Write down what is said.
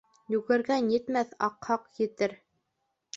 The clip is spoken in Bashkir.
Йүгергән етмәҫ, аҡһаҡ етер.